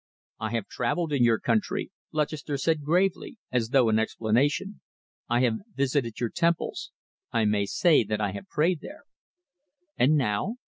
"I have travelled in your country," Lutchester said gravely, as though in explanation. "I have visited your temples. I may say that I have prayed there." "And now?"